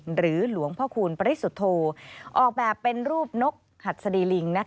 หลวงพ่อคูณปริสุทธโธออกแบบเป็นรูปนกหัดสดีลิง